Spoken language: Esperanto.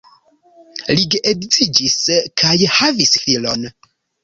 Li geedziĝis kaj havis filon.